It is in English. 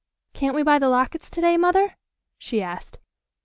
"Can't we buy the lockets to day, Mother?" she asked.